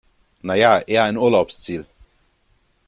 Na ja, eher ein Urlaubsziel.